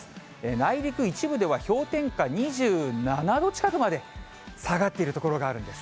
内陸一部では、氷点下２７度近くまで下がっている所があるんです。